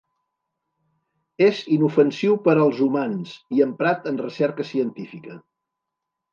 És inofensiu per als humans i emprat en recerca científica.